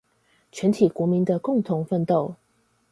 全體國民的共同奮鬥